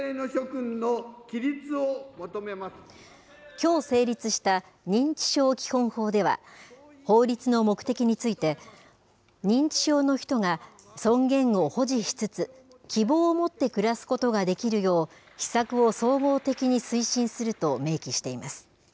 きょう成立した認知症基本法では、法律の目的について、認知症の人が尊厳を保持しつつ、希望を持って暮らすことができるよう、施策を総合的に推進すると明記しています。